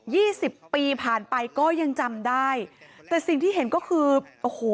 สิบปีผ่านไปก็ยังจำได้แต่สิ่งที่เห็นก็คือโอ้โห